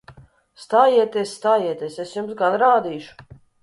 Stājieties! Stājieties! Es jums gan rādīšu!